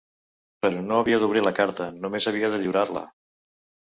Però no havia d’obrir la carta, només havia de lliurar-la.